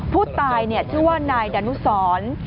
ผู้ตายชื่อว่านายดานุสร